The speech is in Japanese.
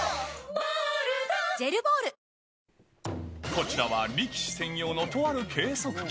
こちらは、力士専用のとある計測器。